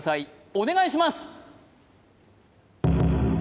お願いします